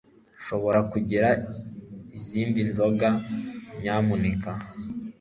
Nshobora kugira izindi nzoga, nyamuneka? .